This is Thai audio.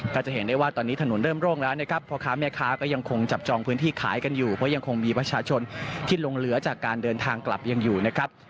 ก็จะเห็นได้ว่าตอนนี้ถนนเริ่มโร่งแล้วนะครับพ่อค้าแม่ค้าก็ยังคงจับจองพื้นที่ขายกันอยู่เพราะยังคงมีประชาชนที่ลงเหลือจากการเดินทางกลับยังอยู่นะครับ